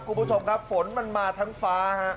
คุณผู้ชมครับฝนมันมาทั้งฟ้าฮะ